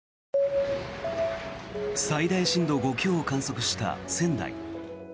最大震度５強を観測した仙台。